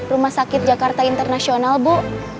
rumah sakit jakarta internasional bu